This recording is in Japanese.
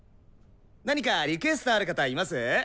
何かリクエストある方います？